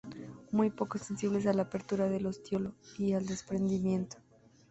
Muy poco sensibles a la apertura del ostiolo, y al desprendimiento.